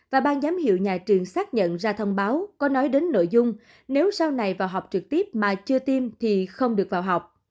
và ban giám hiệu nhà trường xác nhận ra thông báo có nói đến nội dung nếu sau này vào học trực tiếp mà chưa tiêm thì không được vào học